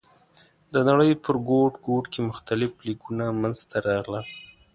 د نړۍ په ګوټ ګوټ کې مختلف لیکونه منځ ته راغلل.